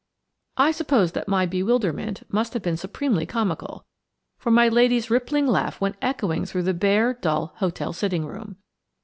I suppose that my bewilderment must have been supremely comical, for my lady's rippling laugh went echoing through the bare, dull hotel sitting room.